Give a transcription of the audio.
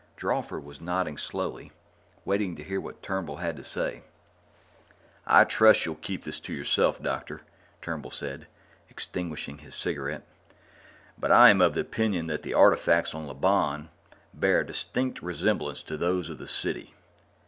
Drawford was nodding slowly, waiting to hear what Turnbull had to say. "I trust that you'll keep this to yourself, doctor," Turnbull said, extinguishing his cigarette. "But I am of the opinion that the artifacts on Lobon bear a distinct resemblance to those of the City."